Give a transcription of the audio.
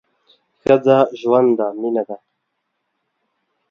ښځه ژوند ده ، مینه ده